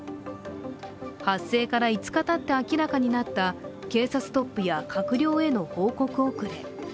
発生から５日たって明らかになった警察トップや閣僚への報告遅れ。